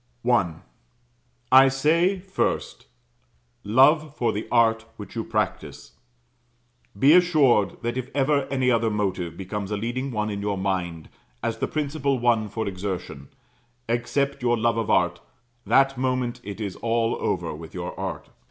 I. I say, first, Love for the art which you practise. Be assured that if ever any other motive becomes a leading one in your mind, as the principal one for exertion, except your love of art, that moment it is all over with your art.